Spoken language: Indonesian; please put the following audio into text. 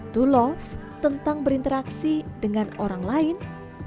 to love tentang berinteraksi dengan orang lain